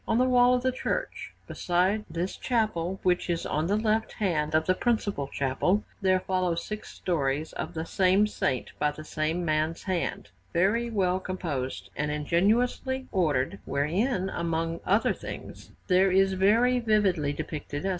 On the wall of the church beside this chapel, which is on the left hand of the principal chapel, there follow six stories of the same Saint by the same man's hand, very well composed and ingeniously ordered, wherein, among other things, there is very vividly depicted a S.